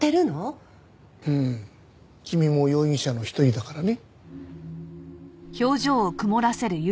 うん君も容疑者の一人だからね。